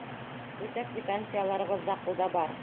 Бөтә квитанцияларыбыҙ ҙа ҡулда бар.